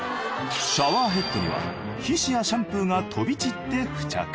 シャワーヘッドには皮脂やシャンプーが飛び散って付着